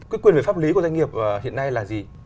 chuyên về pháp lý của doanh nghiệp hiện nay là gì